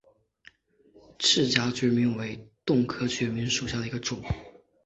翅荚决明为豆科决明属下的一个种。